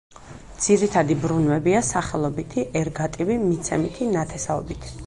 ძირითადი ბრუნვებია: სახელობითი, ერგატივი, მიცემითი, ნათესაობითი.